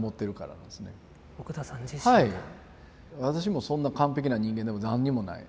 私もそんな完璧な人間でも何にもない。